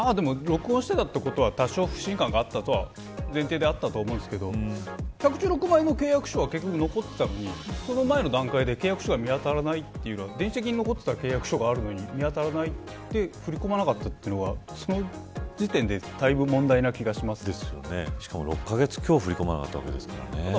録音していたということは多少不信感があったというのが前提としてあったと思うんですけど１１６万円の契約書は残っていたのにその前の段階で契約書が見当たらないというのは電子的に残っていた契約書があるのに見当たらない振り込まなかったというのはその時点でだいぶ問題な気がしますね。